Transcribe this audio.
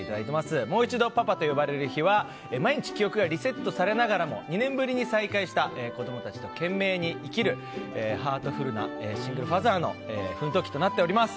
「もう一度パパと呼ばれる日」は毎日記憶がリセットされながら２年ぶりに再会した子供たちと懸命に生きる、ハートフルなシングルファーザーの奮闘記となっています。